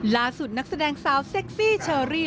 นักแสดงสาวเซ็กซี่เชอรี่